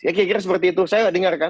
ya kira kira seperti itu saya dengarkan